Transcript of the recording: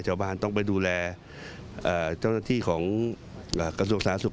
จับบาลต้องไปดูแลส่วนที่ของกระทรวงสาธารณ์สุข